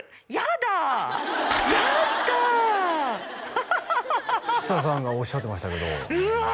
ハハハハハ千砂さんがおっしゃってましたけどうわ！